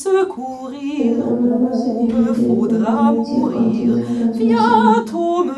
El programa se emite desde Valencia con tiene alcance nacional.